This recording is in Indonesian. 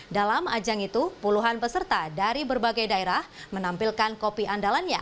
dalam ajang itu puluhan peserta dari berbagai daerah menampilkan kopi andalannya